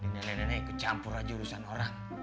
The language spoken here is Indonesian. nene kecampur aja urusan orang